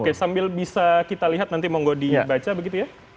oke sambil bisa kita lihat nanti monggo dibaca begitu ya